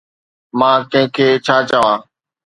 مان ڪنهن کي ڇا چوان؟